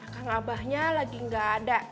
kang abahnya lagi nggak ada